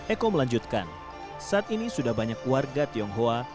eko melanjutkan saat ini sudah banyak warga tionghoa